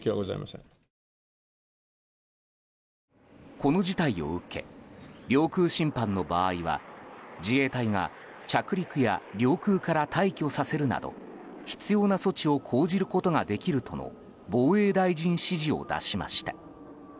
この事態を受け領空侵犯の場合は自衛隊が着陸や領空から退去させるなど必要な措置を講じることができるとの防衛大臣指示を出しました。